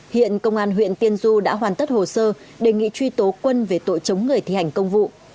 hiện công an huyện tiên du đã hoàn tất hồ sơ đề nghị truy tố quân về tội chống người thi hành công vụ